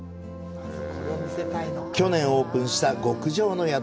去年オープンした極上の宿。